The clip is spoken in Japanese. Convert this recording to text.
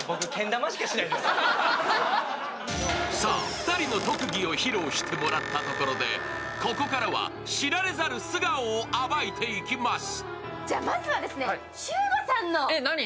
２人の特技を披露してもらったところでここからは知られざる素顔を暴いていきます。